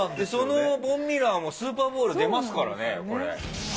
そのボン・ミラーもスーパーボウル出ますからね。